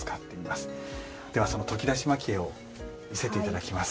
ではその研ぎ出し蒔絵を見せて頂きます。